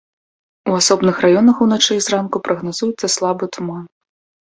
У асобных раёнах уначы і зранку прагназуецца слабы туман.